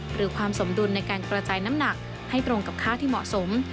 หรือความสมดุลในการกระจายน้ำหนักให้ตรงกับค่าที่เหมาะสม